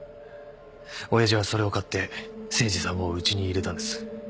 親父はそれを買って誠司さんをうちに入れたんです。